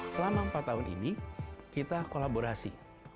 selama empat tahun ini kita kolaborasi